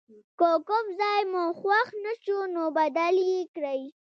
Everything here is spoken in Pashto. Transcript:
که کوم ځای مو خوښ نه شو نو بدل یې کړئ.